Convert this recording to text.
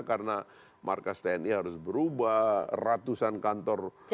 karena markas tni harus berubah ratusan kantor